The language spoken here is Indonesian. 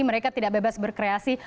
mereka tidak bebas berkreasi